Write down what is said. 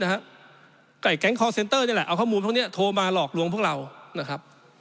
ไอ้แก๊งคอร์เซ็นเตอร์นี่แหละเอาข้อมูลพวกนี้โทรมาหลอกลวงพวกเรานะครับ